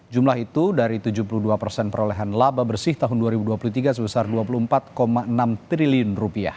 jumlah itu dari tujuh puluh dua persen perolehan laba bersih tahun dua ribu dua puluh tiga sebesar rp dua puluh empat enam triliun